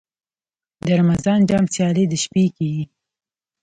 د رمضان جام سیالۍ د شپې کیږي.